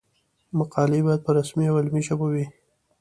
مقالې باید په رسمي او علمي ژبه وي.